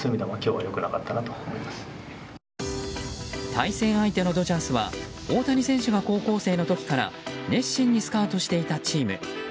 対戦相手のドジャースは大谷選手が高校生の時から熱心にスカウトしていたチーム。